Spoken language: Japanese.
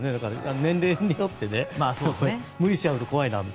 年齢によって無理しちゃうと怖いなと。